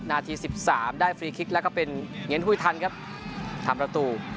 นาทีสิบสามได้ฟรีคลิกแล้วก็เป็นเหงียนหุ้ยทันครับทำประตู